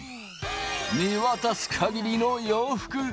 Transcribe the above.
見渡すかぎりの洋服。